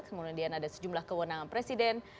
kemudian ada sejumlah kewenangan presiden